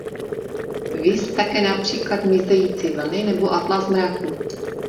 Viz také například Mizející vlny nebo Atlas mraků.